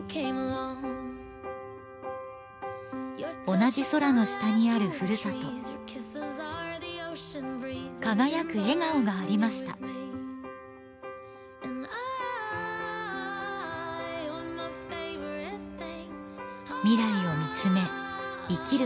同じ空の下にあるふるさと輝く笑顔がありました未来を見つめ生きる